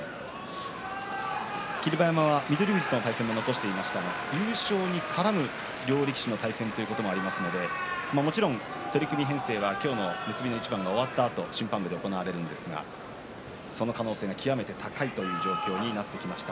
霧馬山は翠富士との対戦も残していましたが優勝に絡む両力士の対戦ということもありますのでもちろん取組編成は今日の結びの一番が終わったあと審判部で行われるんですがその可能性が極めて高い状況になってきました。